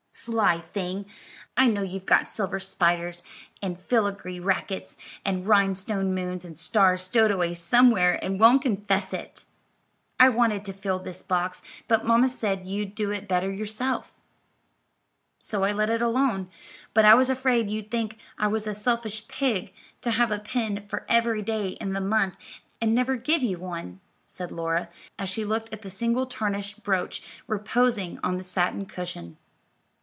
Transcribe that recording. "Sly thing! I know you've got silver spiders and filagree racquets, and Rhine stone moons and stars stowed away somewhere and won't confess it. I wanted to fill this box, but mamma said you'd do it better yourself, so I let it alone; but I was afraid you'd think I was a selfish pig, to have a pin for every day in the month and never give you one," said Laura, as she looked at the single tarnished brooch reposing on the satin cushion.